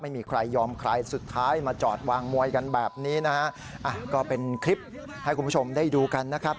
ไม่มีใครยอมใครสุดท้ายมาจอดวางมวยกันแบบนี้นะฮะอ่ะก็เป็นคลิปให้คุณผู้ชมได้ดูกันนะครับ